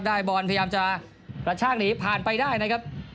บอลพยายามจะกระชากหนีผ่านไปได้นะครับ